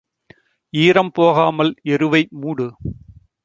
ஈரம் போகாமல் எருவை மூடு.